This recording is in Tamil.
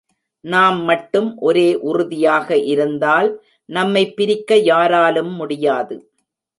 நாம் மட்டும் ஒரே உறுதியாக இருந்தால் நம்மைப் பிரிக்க யாராலும் முடியாது.